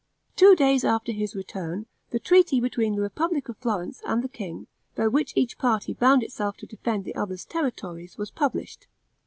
Two days after his return, the treaty between the republic of Florence and the king, by which each party bound itself to defend the other's territories, was published.